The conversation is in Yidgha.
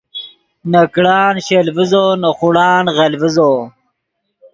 نے کڑان شل ڤیزو نے خوڑان غل ڤیزو